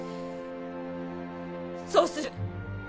そうする。